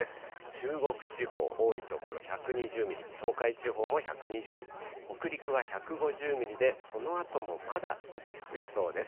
中国地方、多い所１２０ミリ、東海地方も１２０ミリ、北陸は１５０ミリで、そのあともまだ少し増えそうです。